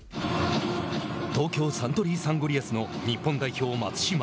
東京サントリーサンゴリアスの日本代表、松島。